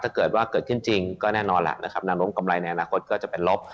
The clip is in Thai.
ถ้าเกิดว่าเกิดขึ้นจริงก็แน่นอนล่ะนะครับนางลงกำไรในอนาคตก็จะเป็นลบ